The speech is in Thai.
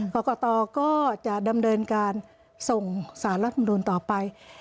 กรกตก็จะดำเนินการส่งสารรัฐมนุนต่อไป